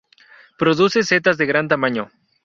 Produce setas de gran tamaño.